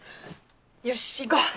よし行こう。